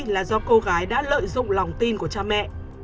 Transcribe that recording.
là do cô gái đã lợi dụng lòng tin của cha mẹ